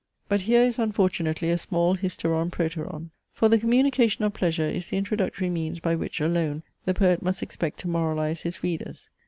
But here is unfortunately a small hysteron proteron. For the communication of pleasure is the introductory means by which alone the poet must expect to moralize his readers.